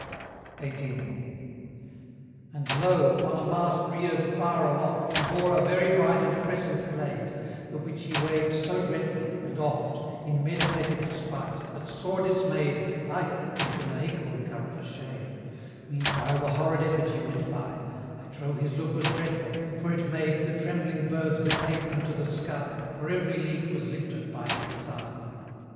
XVIII. "And lo! upon a mast rear'd far aloft, He bore a very bright and crescent blade, The which he waved so dreadfully, and oft, In meditative spite, that, sore dismay'd, I crept into an acorn cup for shade; Meanwhile the horrid effigy went by: I trow his look was dreadful, for it made The trembling birds betake them to the sky, For every leaf was lifted by his sigh."